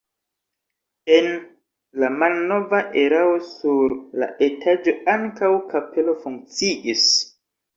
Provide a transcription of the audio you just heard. En la malnova erao sur la etaĝo ankaŭ kapelo funkciis.